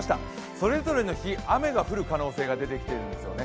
それぞれの日、雨が降る可能性が出てきているんですよね。